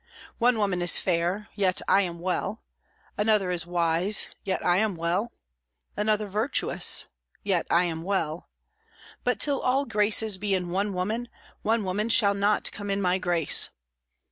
One woman is fair, yet I am well; another is wise, yet I am well; another virtuous, yet I am well; but till all graces be in one woman one woman shall not come in my grace.